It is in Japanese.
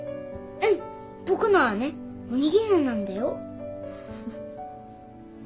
うん僕のはねおにぎりのなんだよ。